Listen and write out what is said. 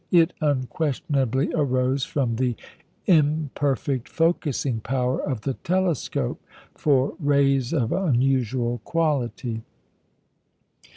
It unquestionably arose from the imperfect focussing power of the telescope for rays of unusual quality.